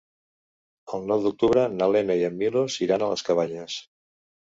El nou d'octubre na Lena i en Milos iran a les Cabanyes.